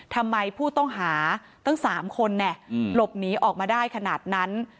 ทำไมผู้ต้องหาตั้ง๓คนหลบหนีออกมาได้ขนาดนั้น